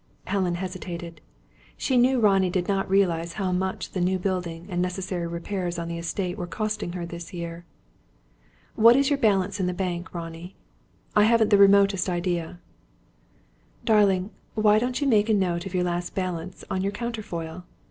Helen hesitated. She knew Ronnie did not realise how much the new building and necessary repairs on the estate were costing her this year. "What is your balance at the bank, Ronnie?" "I haven't the remotest idea." "Darling, why don't you make a note of your last balance on your counterfoil?